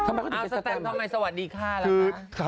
เอาสแตมทำไมสวัสดีค่ะ